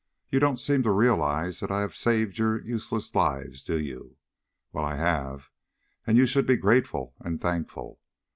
You don't seem to realize that I have saved your useless lives, do you? Well, I have, and you should be very grateful and thankful.